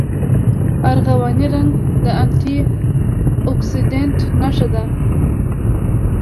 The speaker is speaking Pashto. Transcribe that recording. ارغواني رنګ د انټي اکسیډنټ نښه ده.